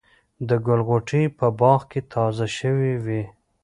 د ګل غوټۍ په باغ کې تازه شوې وې.